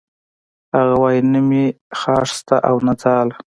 هغه وایی نه مې خاښ شته او نه ځاله